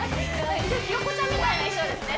今日ひよこちゃんみたいな衣装ですね